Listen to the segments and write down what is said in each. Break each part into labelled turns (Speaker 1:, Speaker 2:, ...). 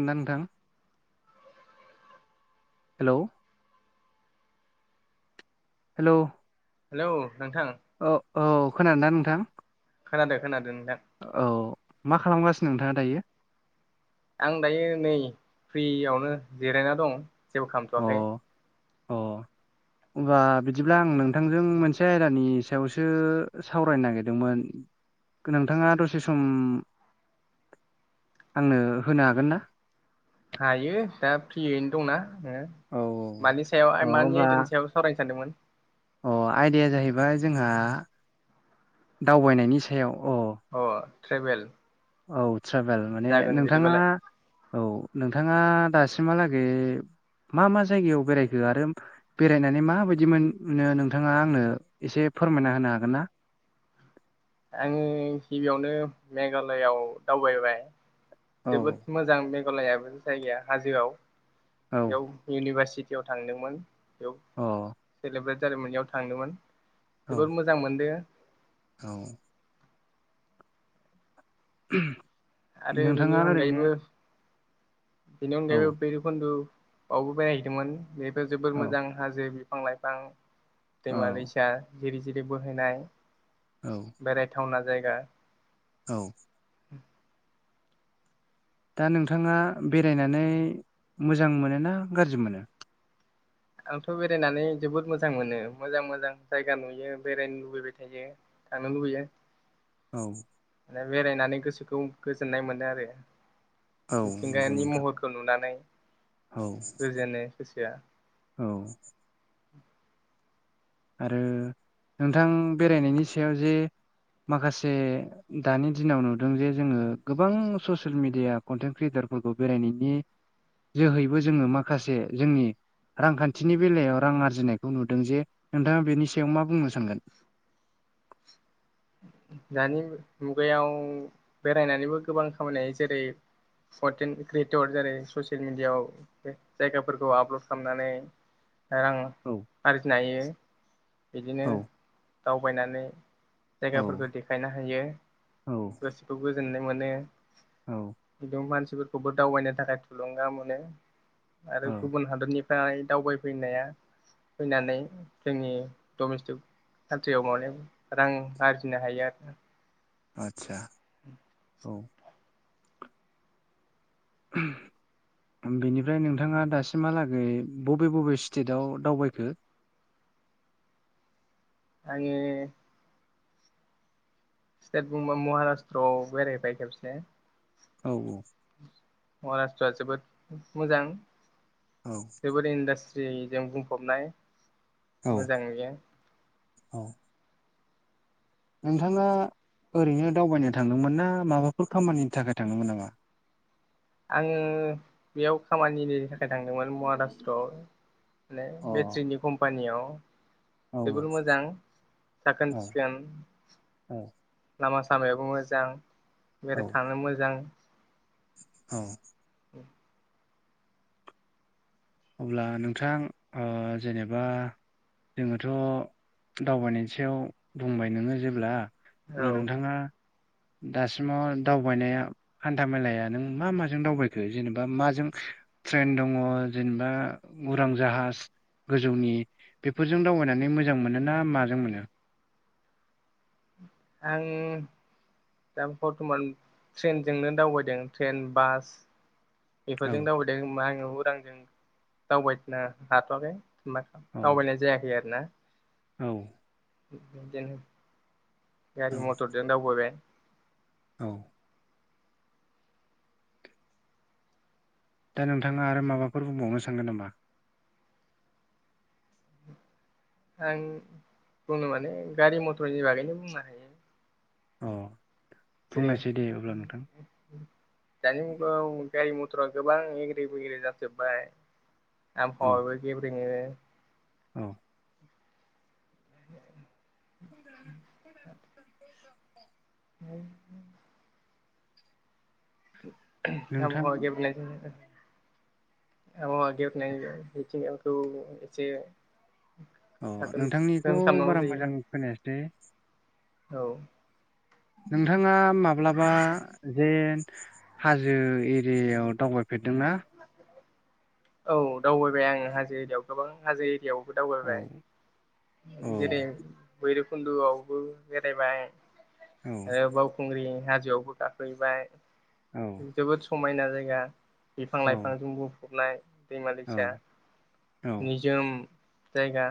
Speaker 1: ओन्ना नोंथां। Hello hello
Speaker 2: hello नोंथां
Speaker 1: ओ औ खोनादों दा नोंथां?
Speaker 2: खोनादों खोनादों नोंथां।
Speaker 1: औ मा खालामगासिनो नोंथाङा दायो?
Speaker 2: आं दायो नै फ्रियावनो जिरायना दं जेबो
Speaker 1: अ
Speaker 2: खामथ'वाखै
Speaker 1: अ। होब्ला बिदिब्ला आं नोंथांजों मोनसे आयदानि सायावसो सावरायनो नागिरदोंमोन। खो नोंथांङा दसे सम आंनो होनो हागोन ना?
Speaker 2: हायो दा फ्रियैनो दंना।
Speaker 1: औ
Speaker 2: मानि सायाव
Speaker 1: औ
Speaker 2: मानि
Speaker 1: होमब्ला
Speaker 2: आयदानि सायाव सावरायनो सानदोंमोन।
Speaker 1: अ आयदाया जाहैबाय जोंहा दावबायनायनि सायाव अ
Speaker 2: अ ट्रेभेल
Speaker 1: औ ट्रेभेल माने
Speaker 2: जागोन
Speaker 1: नोंथांङा
Speaker 2: बिदिबालाय
Speaker 1: औ नोंथाङा दासिमहालागै मा मा जायगायाव बेरायखो आरो बेरायनानै माबायदि मोनो नोंथाङा आंनो एसे फोरमायना होनो हागोन ना?
Speaker 2: आङो गिबियावनो मेघालयआव दावबायबाय।
Speaker 1: औ
Speaker 2: जोबोद मोजां मेघालयाबो जायगाया हाजोआव
Speaker 1: अ
Speaker 2: बेयाव इउनिभारसिटियाव थांदोंमोन बेयाव
Speaker 1: अ।
Speaker 2: सेलेब्रेट जारिमिननियाव थांदोंमोन जोबोर मोजां मोनदो।
Speaker 1: औ।
Speaker 2: आरो बेनि
Speaker 1: नोंथाङा ओरैनो
Speaker 2: अनगायैबो बेनि
Speaker 1: औ
Speaker 2: अनगायैबो भैरबकुन्दुआवबो बेरायहैदोंमोन बेहायबो जोबोर
Speaker 1: औ
Speaker 2: मोजां। हाजो बिफां लाइफां
Speaker 1: औ
Speaker 2: दैमा दैसा जिरि जिरि बोहैनाय।
Speaker 1: औ।
Speaker 2: बेरायथावना जायगा।
Speaker 1: औ।
Speaker 2: [inaudible]
Speaker 1: दा नोंथाङा बेरायनानै मोजां मोनो ना गाज्रि मोनो?
Speaker 2: आंथ' बेरायनानै जोबोद मोजां मोनो मोजां मोजां जायगा नुयो बेरायनो लुबैबाय थायो। थानो लुबैयो।
Speaker 1: औ।
Speaker 2: माने बेरायनानै गोसोखौ गोजोननाय मोनो आरो
Speaker 1: औ नंगौ
Speaker 2: मिथिंगानि
Speaker 1: नोंथां
Speaker 2: महर खौ नुनानै
Speaker 1: औ
Speaker 2: गोजोनो गोसोआ
Speaker 1: औ। आरो नोंथां बेरायनायनि सायाव जे माखासे दानि दिनाव नुदों जे जोङो गोबां ससियेल मिडिया कन्टेन्ट क्रियेटारफोरखौ बेरायनायनि जोहैबो जोङो माखासे जोंनि रांखान्थिनि बेलायाव रां आरजिनायखौ नुदों जे नोंथाङा बेनि सायाव मा बुंनो सानगोन? [inaudible]
Speaker 2: दानि मुगायाव बेरायनानैबो गोबां खामायनो हायो जेरै कन्टेन्ट क्रियेटर जेरै ससियेल मिडियाआव जायगाफोरखौ आपलड खामनानै रां
Speaker 1: औ
Speaker 2: आरजिनो हायो बिदिनो
Speaker 1: औ
Speaker 2: दावबायनानै
Speaker 1: औ
Speaker 2: जायगाफोरखौ देखायनो हायो
Speaker 1: औ
Speaker 2: गोसोखौ गोजोननाय मोनो।
Speaker 1: औ
Speaker 2: बिदि मानसिफोरखौबो दावबायनो थाखाय थुलुंगा मोनो।
Speaker 1: औ
Speaker 2: आरो गुबुन हादरनिफ्राय दावबायफैनाया फैनानै जोंनि डमेस्टिक कान्ट्रियाव माने रां आर्जिनो हायो आरोना
Speaker 1: आतसा।
Speaker 2: [inaudible]
Speaker 1: औ। [unintelligible] बेनिफ्राय नोंथाङा दासिमहालागै बबे बबे स्टेटाव दावबायखो
Speaker 2: आङो स्तेत बुंबा महाराषट्रआव बेरायबाय खेबसे।
Speaker 1: औ औ।
Speaker 2: महाराष्ट्रआ जोबोद मोजां
Speaker 1: औ।
Speaker 2: जोबोर इन्डासट्रिजों बुंफबनाय
Speaker 1: औ
Speaker 2: मोजां नुयो।
Speaker 1: औ। नोंथाङा ओरैनो दावबायनो थांदोंमोन ना माबाफोर खामानिनि थाखाय थांदोंमोन नामा?
Speaker 2: आङो बेयाव खामानिनि थाखाय थांदोंमोन महाराष्ट्रआव माने
Speaker 1: अ
Speaker 2: बेट्रिनि कम्पानियाव
Speaker 1: औ
Speaker 2: जोबोर मोजां साखोन सिखोन
Speaker 1: औ
Speaker 2: लामा सामायायावो मोजां
Speaker 1: औ
Speaker 2: बेराय थानो मोजां
Speaker 1: औ।
Speaker 2: [inaudible]
Speaker 1: अब्ला नोंथां जेनेबा जोङोथ' दावबायनायनि सायाव बुंबाय नोङो जेब्ला अब्ला
Speaker 2: औ
Speaker 1: नोंथाङा दासिमाव दावबायनाया हान्था मेलाया नों मा माजों दावबायखो जेनेबा माजों ट्रेन दङ जेनेबा उरां जाहाज गोजौनि बेफोरजों दावबायनानै मोजां मोनो ना माजों मोनो।
Speaker 2: आङो दा बरथमान ट्रेनजोंनो दावबायदों ट्रेन बास।
Speaker 1: औ
Speaker 2: बेफोरजों दावबायदों हबा आङो उरांजों दावबायनो हाथ'वाखै। बा
Speaker 1: औ
Speaker 2: दावबायनाय जायाखै आरोना।
Speaker 1: औ।
Speaker 2: बिदिनो
Speaker 1: औ
Speaker 2: गारि मथरजों दावबायबाय।
Speaker 1: औ। दा नोंथाङा आरो माबाफोर बुंबावनो सानो नामा?
Speaker 2: आं बुंनो माने गारि मथरनि बागैनो बुंनो हायो।
Speaker 1: अ। बुंनायसै दे अब्ला नोंथां
Speaker 2: जेरै- दानि मुगाव गारि मथरा गोबां एग्रे बेग्रे जाजोब्बाय
Speaker 1: औ
Speaker 2: आबहावायाबो गब्रेङो।
Speaker 1: औ। [unintelligible]
Speaker 2: [unintelligible]
Speaker 1: नोंथां
Speaker 2: आबहावाया गेब्रेंनायजों‌ नोंथां आबहावा गेब्रेंनायजों मिथिंगाखौ एसे
Speaker 1: अ
Speaker 2: साखोन
Speaker 1: नोंथांनिखौ
Speaker 2: सिखोन खालामनांगौ
Speaker 1: बारा
Speaker 2: जायो
Speaker 1: मोजां खोनायासैै।
Speaker 2: औ।
Speaker 1: नोंथाङा माब्लाबा जे हाजो एरियायाव दावबायफेरदोंना
Speaker 2: औ दावबाय आङो हाजो एरियाायाव गोबां हाजो एरियायावबो
Speaker 1: औ
Speaker 2: दावबायबाय।
Speaker 1: औ
Speaker 2: जेरै बैरबखुन्द'आवबो बेरायबाय
Speaker 1: औ
Speaker 2: आरो बाव खुंग्रि हाजोआवबो गाख्लैबाय।
Speaker 1: औ
Speaker 2: जोबोद समायना जायगा बिफां
Speaker 1: औ
Speaker 2: लाइफांजों बुंफबनाय। दैमा
Speaker 1: औ
Speaker 2: दैसा निजोम जायगा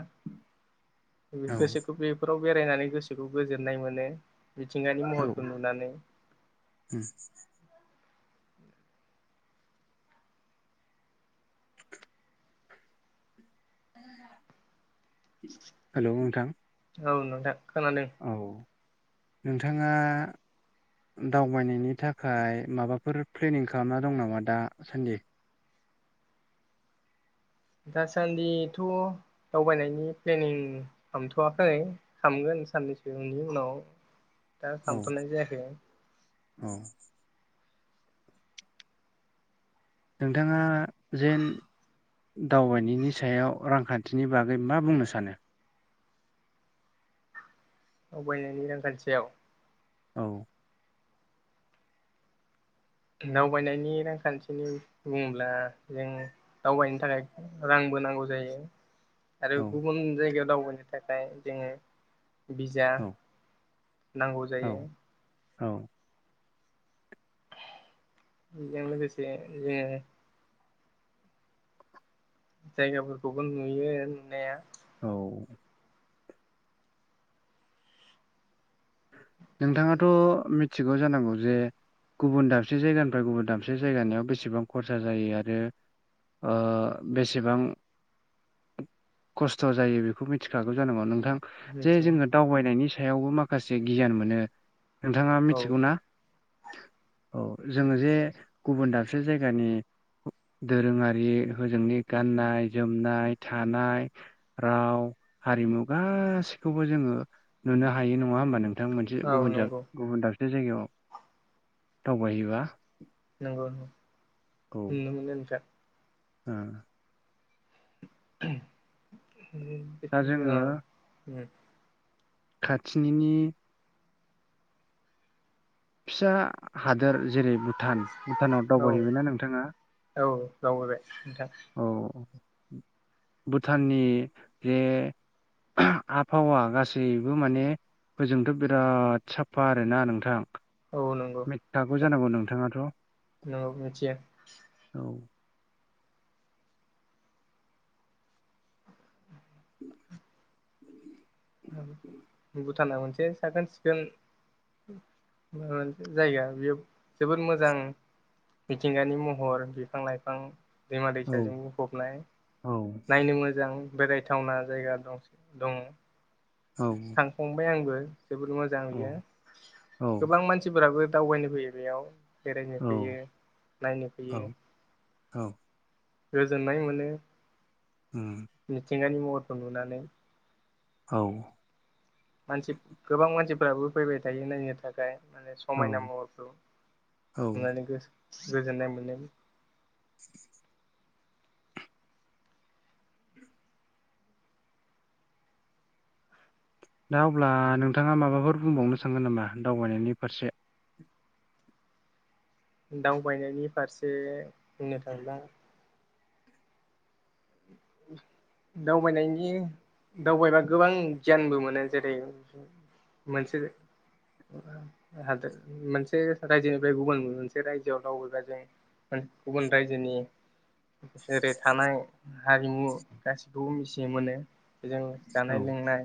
Speaker 1: औ
Speaker 2: गोसोखौ बेफोराव बेरायनानै गोसोखौ गोजोननाय मोनो मिथिंगानि
Speaker 1: औ
Speaker 2: महरखौ नुनानै।
Speaker 1: [unintelligible] हेलौ नोंथां।
Speaker 2: औ नोंथां खोनादों।
Speaker 1: औ नोंथाङा दावबायनायनि थाखाय माबाफोर प्लेनिं खालामना दं नामा दा सान्दि?
Speaker 2: दासान्दिथ' दावबायनायनि प्लेनिं हामथ'वाखै खामगोन साननैसोनि उनाव दा
Speaker 1: औ
Speaker 2: खामथ'नाय जायाखै।
Speaker 1: औ। नोंथाङा जेन दावबायनायनि सायाव रांखान्थिनि बागै मा बुंनो सानो?
Speaker 2: दावबायनायनि रांखान्थियाव
Speaker 1: औ
Speaker 2: दावबायनायनि रांखान्थिनि बुङोब्ला जों दावबायनो थाखाय रांबो नांगौ जायो। आरो
Speaker 1: औ
Speaker 2: गुबुन जायगायाव दावबायनो थाखाय जोङो बिजाब
Speaker 1: औ
Speaker 2: नांगौ
Speaker 1: औ
Speaker 2: जायो।
Speaker 1: औ
Speaker 2: बजों लोगोसे जायगाफोरखौबो नुयो नुनाया।
Speaker 1: औ। नोंथाङाथ' मिथिगौ जानांगौ जे गुबुन दाबसे जायगानिफ्राय गुबुन दाबसे्रि जायगानिाव बेसेबां खरसा जायो आरो बेसेबां खस्थ' जायो बेखौ मिथिखागौ जानांगौ नोंथां। जे
Speaker 2: मिथियो
Speaker 1: जोङो दावबायनायनि सायावबो माखासे गियान मोनो। नोंथाङा
Speaker 2: औ
Speaker 1: मिथिगौ ना? औ जोङो जे गुबुन दाबसे जायगानि दोरोङारि हजोंनि गाननाय जोमनाय थानाय राव हारिमु गासिखौबो जोङो नुनो हायो नङा होमबा नों नोंथां मोनसे गुबुन
Speaker 2: नंगौ
Speaker 1: गुबुन दाबसे जायगायाव दावबायहैबा
Speaker 2: नंगौ नंगौ नुनो मोनो नोंथां।
Speaker 1: ओम
Speaker 2: [inaudible]
Speaker 1: दा जोङो
Speaker 2: [inaudible]
Speaker 1: खाथिनिनि फिसा हादोर जेरै भुटान भुटानाव
Speaker 2: औ
Speaker 1: दावबायहैबायना नोंथाङा?
Speaker 2: औ दावबायबाय नोंथां।
Speaker 1: औ भुटाननि जे आबहावा गासैबो माने जोंथ' बिराद साफा आरोना नोंथां
Speaker 2: औ नंगौ।
Speaker 1: मिथिखागौ
Speaker 2: नोंथां
Speaker 1: जानांगौ नोंथाङाथ' औ।
Speaker 2: नंगौ मिथियो भुटाना मोनसे साखोन सिखोन मोनसे जायगा बेयो जबोर मोजां मिथिंगानि महर बिफां लाइफां दैमा
Speaker 1: औ
Speaker 2: दैसाजों बुंफबनाय
Speaker 1: औ
Speaker 2: नायनो मोजां बेरायथावना जायगा दं दङ।
Speaker 1: औ
Speaker 2: फंबाय आंबो जबोर मोजां
Speaker 1: औ
Speaker 2: बियो
Speaker 1: औ
Speaker 2: गोबां मानसिफोराबो दावबायनो फैयो बेयाव बेरायनो फैयो नायनो
Speaker 1: औ
Speaker 2: फैयो।
Speaker 1: औ
Speaker 2: गोजोननाय मोनो
Speaker 1: उम
Speaker 2: मिथिंगानि महरखौ नुनानै
Speaker 1: औ
Speaker 2: मानसि गोबां मानसिफोराबो फैबाय थायो नायनो थाखाय माने
Speaker 1: औ
Speaker 2: समायना महरखौ
Speaker 1: औ
Speaker 2: नुनानै गोजोननाय मोनो
Speaker 1: दा अब्ला नोंथाङा माबाफोर बुंबावनो सानगोन नामा दावबायनायनि फारसे?
Speaker 2: दावबायनायनि फारसे बुंनो थांब्ला [inaudible] दावबायनायनि दावबायबा गोबां गियानबो मोनो जेरै मोनसे हादोर मोनसे रायजोनिफ्राय गुबुन मोनसे रायजोआव दावबायबा जों गुबुन रायजोनि जेरै थानाय हारिमु गासिखौबो मिथिनो मोनो। बे जों
Speaker 1: औ
Speaker 2: जानाय लोंनाय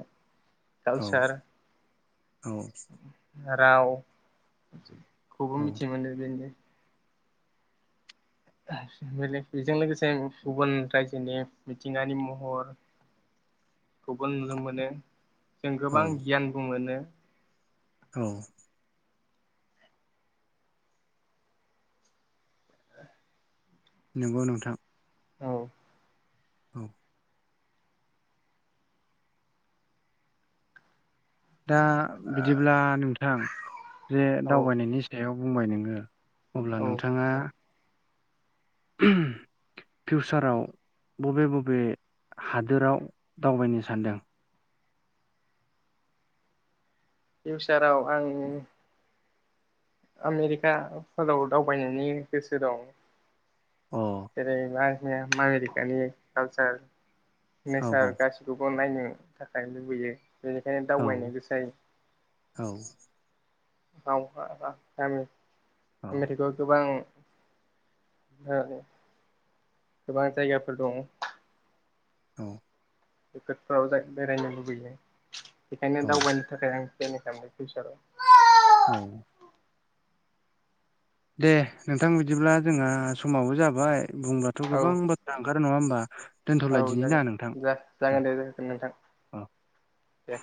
Speaker 1: औ
Speaker 2: कालसार
Speaker 1: औ
Speaker 2: रावखौबो
Speaker 1: औ
Speaker 2: मिथि मोनो बेनो बेजों लोगोसे गुबुन रायजोनि मिथिंगारि महर खौबो नुनो मोनो जों
Speaker 1: औ
Speaker 2: गोबां गियानबो मोनो।
Speaker 1: औ नंगौ नोंथां
Speaker 2: औ
Speaker 1: औ दा बिदिब्ला नोंथां जे
Speaker 2: औ
Speaker 1: दावबायनायनि सायाव बुंबाय नोङो अब्ला
Speaker 2: औ
Speaker 1: नोंथाङा [unintelligible] फिउचाराव बबे बबे हादोराव दावबायनो सान्दों?
Speaker 2: फिउचाराव आङो आमेरिकाफोराव दावबायनायनि गोसो दं।
Speaker 1: अ
Speaker 2: जेरै मनि आमेरिकानि कालसार
Speaker 1: औ
Speaker 2: नेसार गा खौ नायनो थाखाय लुबैयो बेनिखायनो
Speaker 1: औ
Speaker 2: दावबायनो गोसो जायो
Speaker 1: औ
Speaker 2: [unintelligible]
Speaker 1: औ
Speaker 2: आमेरिकायाव गोबां गोबां जायगाफोर दङ
Speaker 1: औ
Speaker 2: खैकोदफ्राव बेरायनो लुबैयो बेखायनो
Speaker 1: औ
Speaker 2: दावबायनो थाखाय आं प्लेन खालामबाय फिउसाराव
Speaker 1: औ दे नोंथां बिदिब्ला जोंहा समावबो जाबाय बुंब्लाथ'
Speaker 2: औ
Speaker 1: गोबां बाथ्रा ओंखारो नङा होमबा
Speaker 2: औ
Speaker 1: दोनथ'लाय दिनि
Speaker 2: जागोन
Speaker 1: दा नोंथां
Speaker 2: जा जागोन दे जोगोन नोंथां
Speaker 1: औ
Speaker 2: दे